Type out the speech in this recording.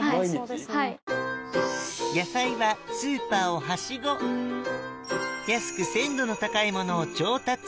野菜はスーパーをはしご安く鮮度の高いものを調達